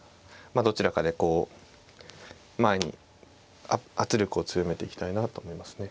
どちらかでこう前に圧力を強めていきたいなと思いますね。